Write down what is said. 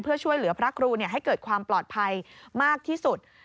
เพื่อช่วยเหลือพระครูให้เกิดความปลอดภัยมากที่สุด